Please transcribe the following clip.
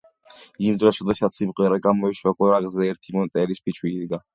იმ დროს როდესაც სიმღერა გამოიშვა, გორაკზე ერთი მონტერეის ფიჭვი იდგა.